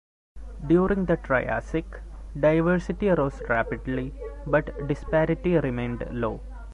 During the Triassic, diversity rose rapidly, but disparity remained low.